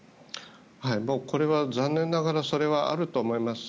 これは残念ながらあると思います。